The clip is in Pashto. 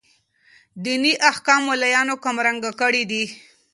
ديني احكام ملايانو کم رنګه کړي دي.